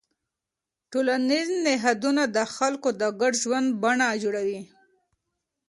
ټولنیز نهادونه د خلکو د ګډ ژوند بڼه جوړوي.